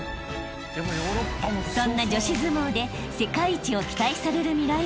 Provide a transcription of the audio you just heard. ［そんな女子相撲で世界一を期待されるミライ☆